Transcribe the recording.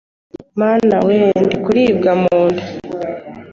Mana, we ndikuribwa munda